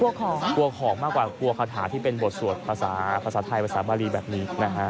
กลัวของมากกว่ากลัวคาถาที่เป็นบทสวดภาษาภาษาไทยภาษาบารีแบบนี้นะฮะ